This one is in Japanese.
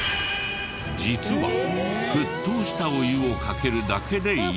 実は沸騰したお湯をかけるだけでいい。